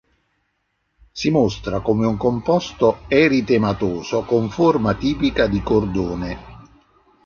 Si mostra come un composto eritematoso con forma tipica di cordone.